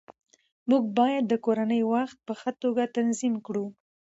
موږ باید د کورنۍ وخت په ښه توګه تنظیم کړو